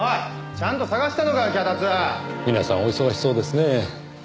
皆さんお忙しそうですねぇ。